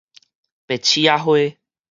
白刺仔花